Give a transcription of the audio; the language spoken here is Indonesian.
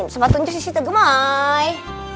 sapat ncus di situ gemoy